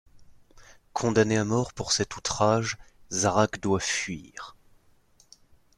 Condamné à mort pour cet outrage, Zarak doit fuir.